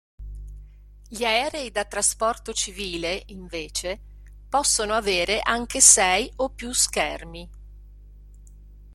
Gli aerei da trasporto civile, invece, possono avere anche sei o più schermi.